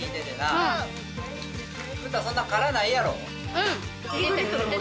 うん。